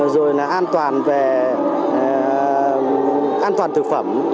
rồi là an toàn về an toàn thực phẩm